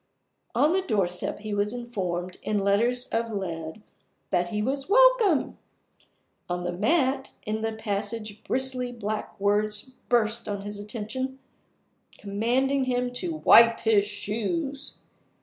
On the doorstep he was informed, in letters of lead, that he was "Welcome!" On the mat in the passage bristly black words burst on his attention, commanding him to "wipe his shoes."